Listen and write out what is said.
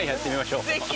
ぜひ。